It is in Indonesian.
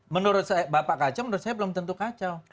menurut bapak kacau menurut saya belum tentu kacau